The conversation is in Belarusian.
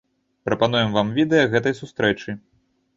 Прапануем вам відэа гэтай сустрэчы.